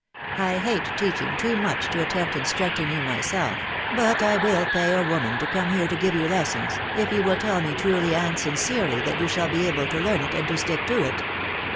I hate teaching too roue* to .attempt instructing you myself, tat I wial pay a woman to oarae bene to give you lessons, if yo* wail tell roe tally and sincerely that you ahall be afble to learn it, and to atiek Ho it.